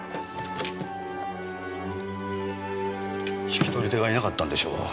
引き取り手がいなかったんでしょう。